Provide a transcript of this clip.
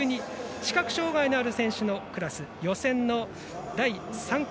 視覚障がいのある選手のクラス予選の第３組。